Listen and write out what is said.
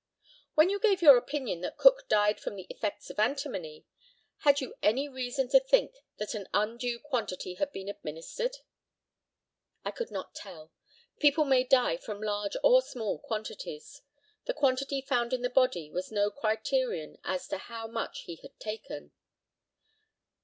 When you gave your opinion that Cook died from the effects of antimony had you any reason to think that an undue quantity had been administered? I could not tell. People may die from large or small quantities; the quantity found in the body was no criterion as to how much he had taken.